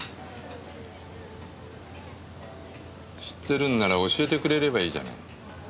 知ってるんなら教えてくれればいいじゃない。